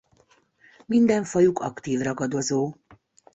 Minden fajuk aktív ragadozó.